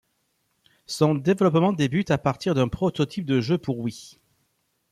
Son développement débute à partir d'un prototype de jeu pour Wii.